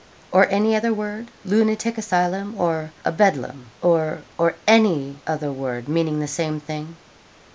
Or any other word lunatic asylum, or a bedlam, or or any other word meaning the same thing?'